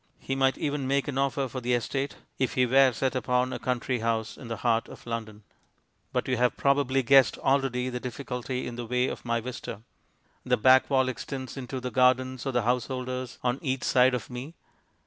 He might even make an offer for the estate, if he were set upon a country house in the heart of London. But you have probably guessed already the difficulty in the way of my vista. The back wall extends into the gardens of the householders on each side of me.